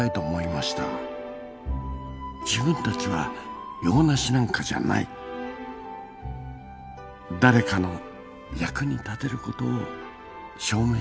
自分たちは用なしなんかじゃない誰かの役に立てる事を証明したかったんです。